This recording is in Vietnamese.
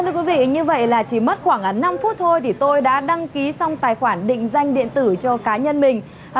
thưa quý vị như vậy là chỉ mất khoảng năm phút thôi thì tôi đã đăng ký xong tài khoản định danh điện tử cho cá nhân mình